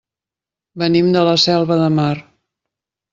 Venim de la Selva de Mar.